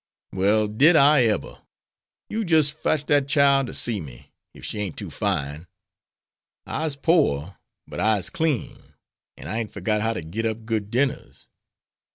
"Well, did I eber! You jis' fotch dat chile to see me, ef she ain't too fine. I'se pore, but I'se clean, an' I ain't forgot how ter git up good dinners.